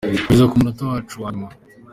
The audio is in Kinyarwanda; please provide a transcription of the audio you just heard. Kugeza ku munota wacu wa nyuma.